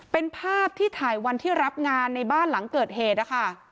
เป็นภาพที่ถ่ายวันที่รับงานในบ้านหลังเกิดเหตุนะคะ